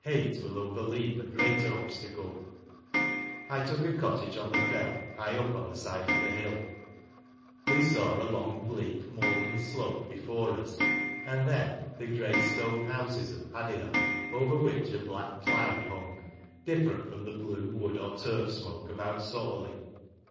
Hate will overleap a greater obstacle. I took a cottage on the Fell, high up on the side of the hill. "We saw a long bleak moorland slope before us, and then the grey stone houses of Padiham, over which a black cloud hxmg ; different from the blue wood or turf smoke about Sawley.